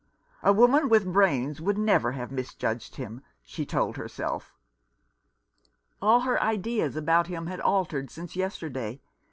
"A woman with brains would never have mis judged him," she told herself. All her ideas about him had altered since 1 08 A Death blow. yesterday.